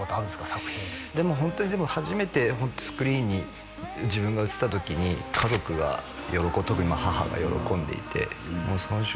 作品でもホントに初めてスクリーンに自分が映った時に家族が特に母が喜んでいてもうその瞬間